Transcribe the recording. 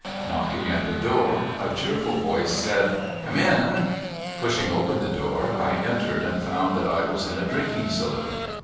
Knocking at the door, a cheerful voice said, " Come in." Pushing open the door, I entered, and found that I was in a drinking saloon.